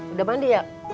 udah mandi ya